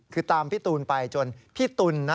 คือตามพี่ตูนไปจนพี่ตูนนะ